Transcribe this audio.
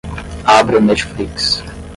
Abra o Netflix.